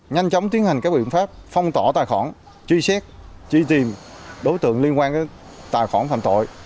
nhanh chóng tiến hành các biện pháp phong tỏ tài khoản truy xét truy tìm đối tượng liên quan tới tài khoản phạm tội